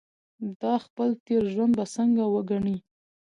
دا خپل تېر ژوند به څنګه وګڼي.